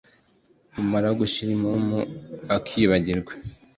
umara gushira impumu akiyibagiza